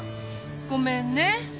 ごめんね。